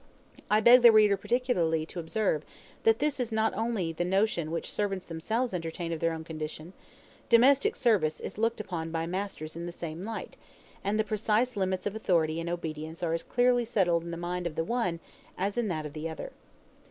I beg the reader particularly to observe that this is not only the notion which servants themselves entertain of their own condition; domestic service is looked upon by masters in the same light; and the precise limits of authority and obedience are as clearly settled in the mind of the one as in that of the other.